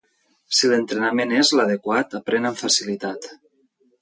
Si l'entrenament és l'adequat, aprèn amb facilitat.